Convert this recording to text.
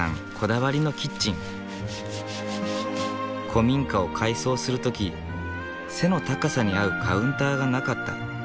古民家を改装する時背の高さに合うカウンターがなかった。